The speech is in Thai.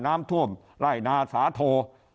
น้ำท่วมร่ายนาศาโธ